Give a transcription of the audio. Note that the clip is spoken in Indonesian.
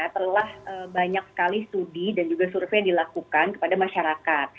telah banyak sekali studi dan juga survei dilakukan kepada masyarakat